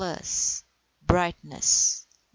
Brightness.